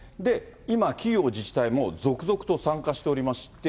今、企業、自治体も続々と参加しておりまして。